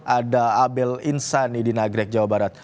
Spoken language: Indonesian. ada abel insani di nagrek jawa barat